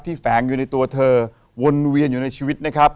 แฝงอยู่ในตัวเธอวนเวียนอยู่ในชีวิตนะครับ